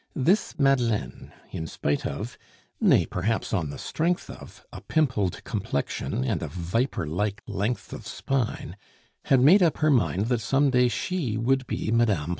This Madeleine, in spite of, nay, perhaps on the strength of, a pimpled complexion and a viper like length of spine, had made up her mind that some day she would be Mme.